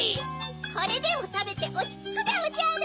これでもたべておちつくでおじゃる。